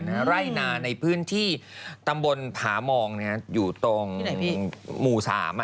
น่ะไล่นาในพื้นที่ตำบลพามองอยู่ตรงหมู่๓